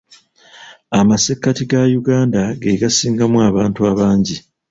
Amasekkati ga Uganda ge gasingamu abantu abangi